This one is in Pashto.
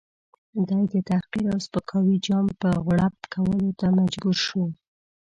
دی د تحقیر او سپکاوي جام څخه غوړپ کولو ته مجبور شو.